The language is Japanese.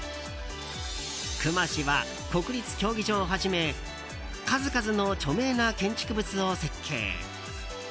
隈氏は、国立競技場をはじめ数々の著名な建築物を設計。